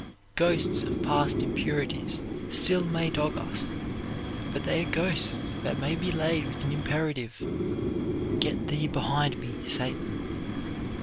Ghosts of past impurities still may dog us, but they are ghosts that may be laid with an imperative "Get thee behind me, Satan."